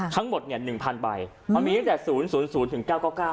ทั้งหมดเนี่ย๑๐๐ใบมันมีตั้งแต่๐๐ถึง๙๙๙